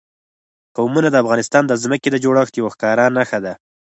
قومونه د افغانستان د ځمکې د جوړښت یوه ښکاره نښه ده.